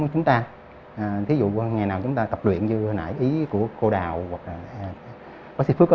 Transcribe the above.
chúng ta thí dụ ngày nào chúng ta tập luyện như hồi nãy ý của cô đào hoặc là bác sĩ phước có